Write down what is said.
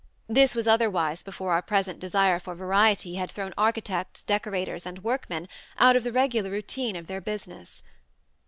This was otherwise before our present desire for variety had thrown architects, decorators, and workmen out of the regular routine of their business.